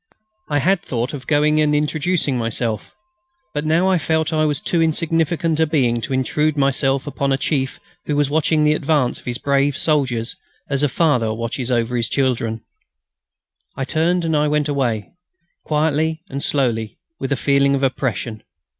I had thought of going and introducing myself; but I now felt that I was too insignificant a being to intrude myself upon a chief who was watching the advance of his brave soldiers, as a father watches over his children. I turned and went away, quietly and slowly, with a feeling of oppression.